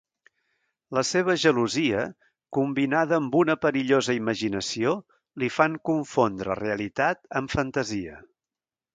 La seva gelosia combinada amb una perillosa imaginació li fan confondre realitat amb fantasia.